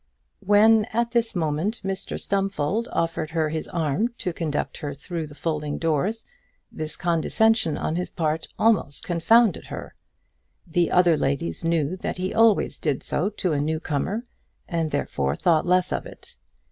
When at this moment Mr Stumfold offered her his arm to conduct her through the folding doors, this condescension on his part almost confounded her. The other ladies knew that he always did so to a newcomer, and therefore thought less of it.